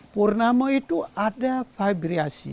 purnama itu ada vibrasi